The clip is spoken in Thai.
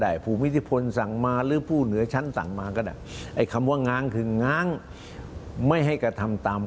ภูมิที่พลสั่งมาหรือผู้เหนือชั้นสั่งมาก็ได้ไอ้คำว่าง้างคือง้างไม่ให้กระทำตาม